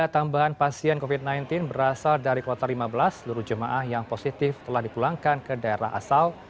tiga tambahan pasien covid sembilan belas berasal dari kloter lima belas seluruh jemaah yang positif telah dipulangkan ke daerah asal